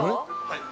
はい。